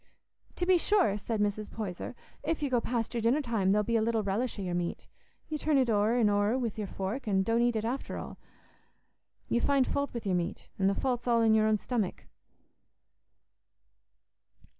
"To be sure," said Mrs. Poyser; "if you go past your dinner time, there'll be little relish o' your meat. You turn it o'er an' o'er wi' your fork, an' don't eat it after all. You find faut wi' your meat, an' the faut's all i' your own stomach."